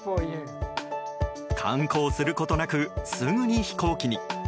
観光することなくすぐに飛行機に。